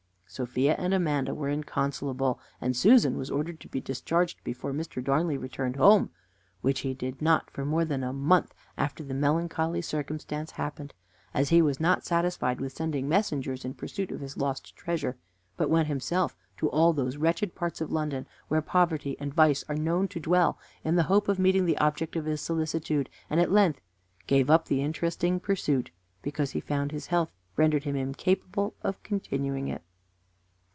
Sophia and Amanda were inconsolable, and Susan was ordered to be discharged before Mr. Darnley returned home, which he did not for more than a month after the melancholy circumstance happened, as he was not satisfied with sending messengers in pursuit of his lost treasure, but went himself to all those wretched parts of London where poverty and vice are known to dwell, in the hope of meeting the object of his solicitude, and at length gave up the interesting pursuit, because he found his health rendered him incapable of continuing it.